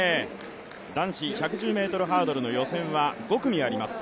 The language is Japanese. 男子１１０ｍハードルの予選は５組あります。